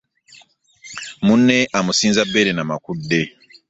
Munne amusinza bbeere na makudde.